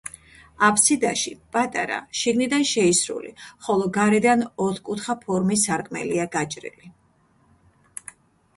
აფსიდაში პატარა, შიგნიდან შეისრული, ხოლო გარედან ოთხკუთხა ფორმის სარკმელია გაჭრილი.